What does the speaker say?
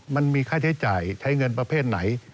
มันมีค่าใช้จ่ายใช้เงินประเภทไหน